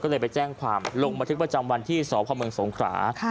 ก็เลยไปแจ้งความลงประตูประจำวันที่สพคสงครา